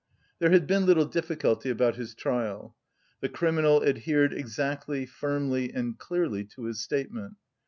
There had been little difficulty about his trial. The criminal adhered exactly, firmly, and clearly to his statement.